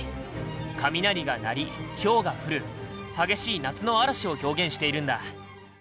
雷が鳴りヒョウが降る激しい夏の嵐を表現しているんだ。